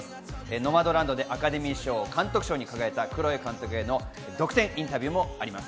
『ノマドランド』でアカデミー賞監督賞に輝いたクロエ監督への独占インタビューもあります。